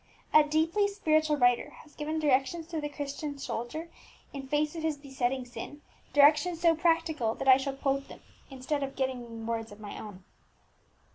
A deeply spiritual writer has given directions to the Christian soldier in face of his besetting sin, directions so practical that I shall quote them instead of giving words of my own.